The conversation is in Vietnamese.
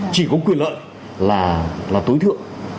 chỉ có quyền lợi là tối thượng